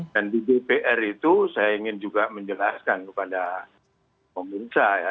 dan di dpr itu saya ingin juga menjelaskan kepada pemerintah ya